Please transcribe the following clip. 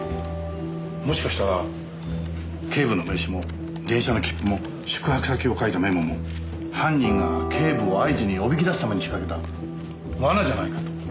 もしかしたら警部の名刺も電車の切符も宿泊先を書いたメモも犯人が警部を会津におびき出すために仕掛けた罠じゃないかと。